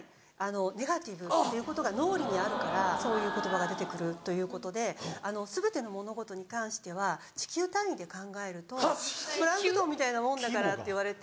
ネガティブっていうことが脳裏にあるからそういう言葉が出てくるということで「全ての物事に関しては地球単位で考えるとプランクトンみたいなもんだから」って言われて。